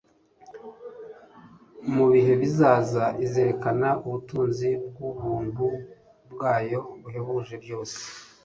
mubihe bizaza izerekane ubutunzi bw'ubuntu bwayo buhebuje byose